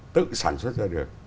tự sản xuất ra được